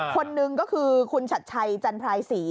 คนหนึ่งก็คือคุณชัดชัยจันทรายศรี